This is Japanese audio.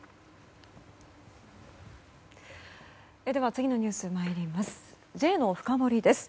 では、次のニュースに参ります。